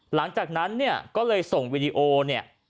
หลังจากนั้นเนี่ยก็เลยส่งวีดีโอเนี่ย